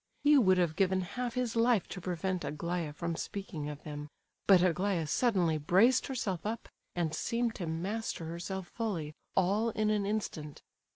He would have given half his life to prevent Aglaya from speaking of them. But Aglaya suddenly braced herself up, and seemed to master herself fully, all in an instant.